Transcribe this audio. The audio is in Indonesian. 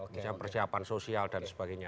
misalnya persiapan sosial dan sebagainya